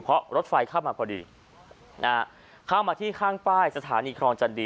เพราะรถไฟเข้ามาพอดีนะฮะเข้ามาที่ข้างป้ายสถานีครองจันดี